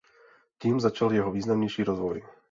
Tím začal jeho významnější rozvoj.